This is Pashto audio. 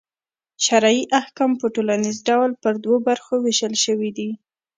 شرعي احکام په ټوليز ډول پر دوو برخو وېشل سوي دي.